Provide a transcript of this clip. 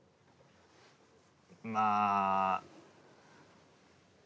まあ。